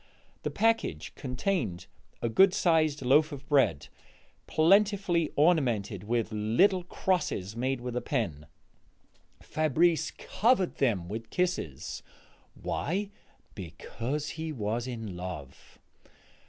The package contained a good sized loaf of bread, plentifully ornamented with, little crosses made with a pen. Fabrice covered them with kisses. Why? Because he was in love.